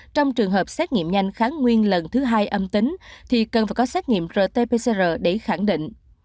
trong trường hợp xét nghiệm nhanh kháng nguyên lần thứ hai âm tính thì cần phải có xét nghiệm rt pcr để khẳng định